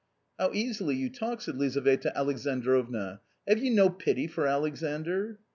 " How easily you talk !" said Lizaveta Alexandrovna ;" have you no pity for Alexandr